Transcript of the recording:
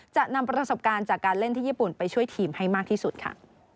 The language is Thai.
จะนำประสบการณ์จากการเล่นที่ญี่ปุ่นไปช่วยทีมให้มากที่สุดค่ะ